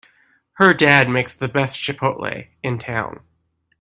Her dad makes the best chipotle in town!